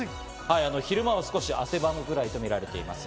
昼間は少し汗ばむくらいとみられています。